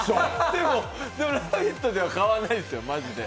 でも「ラヴィット！」では買わないですよ、マジで。